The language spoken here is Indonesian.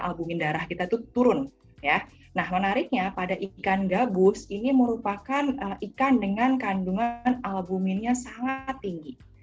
albumin darah kita tuh turun ya nah menariknya pada ikan gabus ini merupakan ikan dengan kandungan